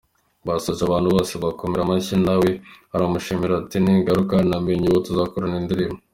Basoje abantu bose babakomera amashyi na we aramushimira, ati ningaruka “Namenye uwo tuzakorana indirimbo.